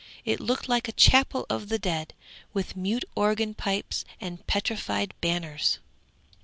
It looked like a chapel of the dead, with mute organ pipes and petrified banners.